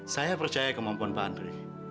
saya percaya kemampuan pak andre